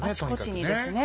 あちこちにですね。